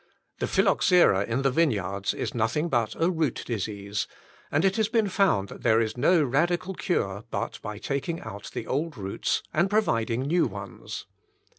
The phylloxera in the vineyards is nothing but a root disease, and it has been found that there is no radical cure bi;t by taking out the old roots and providing new ones.